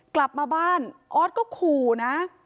กลับมาบ้านออสก็ขู่นะ